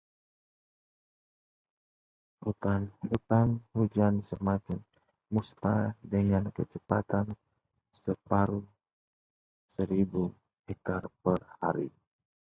Hutan-hutan hujan semakin musnah dengan kecepatan sepuluh ribu hektar per hari.